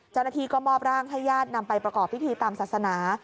เจ้าหน้าที่ก็มอบร่างให้ญาตินำไปประกอบพิธีตามศาสนา